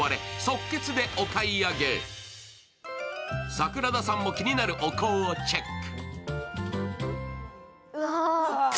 桜田さんも気になるお香をチェック。